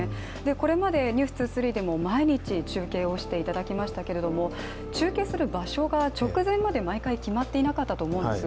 これまで「ｎｅｗｓ２３」でも毎日、中継をしていただきましたが中継する場所が直前まで毎回決まっていなかったと思うんです。